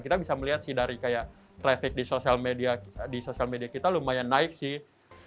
kita bisa melihat sih dari kayak traffic di sosial media kita lumayan naik sih